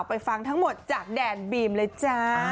ไปฟังทั้งหมดจากแดนบีมเลยจ้า